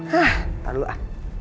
hah ntar dulu ah